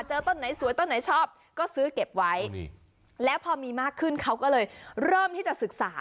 ต้นไหนสวยต้นไหนชอบก็ซื้อเก็บไว้แล้วพอมีมากขึ้นเขาก็เลยเริ่มที่จะศึกษา